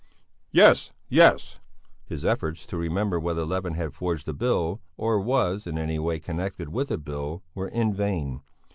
"Yes Yes!" His efforts to remember whether Levin had forged a bill, or was in any way connected with a bill, were in vain.